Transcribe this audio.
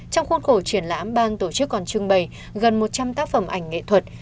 trong khuôn khổ triển lãm ban tổ chức còn trưng bày gần một trăm linh tác phẩm ảnh nghệ thuật